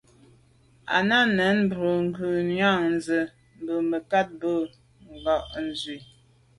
À’ nâ’ bə́ mbrə̀ bú gə ́yɑ́nə́ zə̀ mə̀kát mbâ ngɑ̀ zwí.